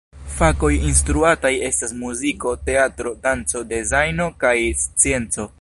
Fakoj instruataj estas muziko, teatro, danco, dezajno kaj scienco.